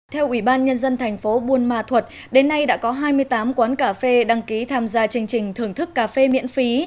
theo ủy ban nhân dân thành phố buôn ma thuật đến nay đã có hai mươi tám quán cà phê đăng ký tham gia chương trình thưởng thức cà phê miễn phí